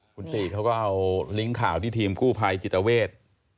คุณติเขาก็เอาลิงก์ข่าวที่ทีมกู้ภัยจิตเวท